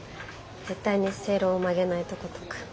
絶対に正論を曲げないとことか。